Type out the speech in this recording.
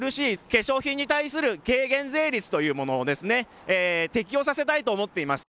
化粧品に対する軽減税率というものをですね、適用させたいと思っています。